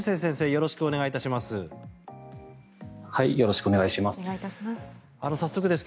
よろしくお願いします。